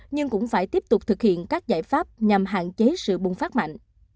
nhưng cũng phải tiếp tục thực hiện các giải pháp nhằm hạn chế sự bùng phát mạnh